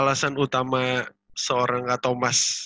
pertama seorang atau mas